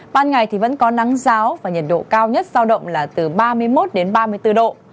ban ngày thì vẫn có nắng giáo và nhiệt độ cao nhất giao động là từ ba mươi một đến ba mươi bốn độ